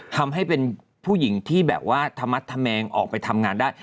ทำให้เป็นผู้หญิงที่แบบว่าธมัดธแมงออกไปทำงานได้